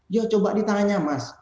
ya coba ditanya mas